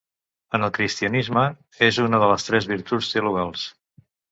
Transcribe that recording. En el cristianisme, és una de les tres virtuts teologals.